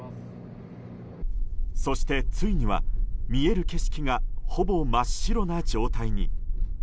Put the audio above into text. そして、ついには見える景色がほぼ真っ白な状態に。